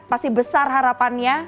pasti besar harapannya